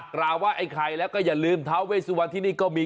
กราบไหว้ไอ้ไข่แล้วก็อย่าลืมท้าเวสวันที่นี่ก็มี